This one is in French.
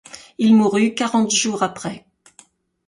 Il mourut quarante jours après.